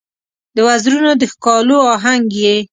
د وزرونو د ښکالو آهنګ یې